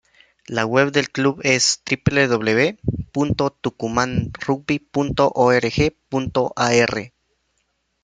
La web del club es www.tucumanrugby.org.ar